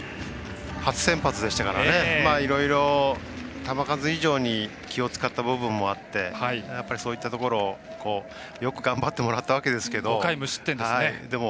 初先発でしたからいろいろ球数以上に気を使った部分もあってそういったところよく頑張ってもらったわけですが。